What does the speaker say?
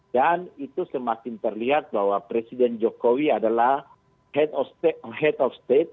dan itu semakin terlihat bahwa presiden jokowi adalah head of state